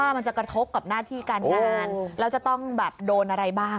มันจะกระทบกับหน้าที่การงานแล้วจะต้องแบบโดนอะไรบ้าง